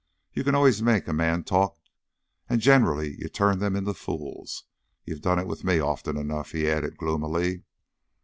You can always make a man talk and generally you turn them into fools. You've done it with me, often enough," he added gloomily.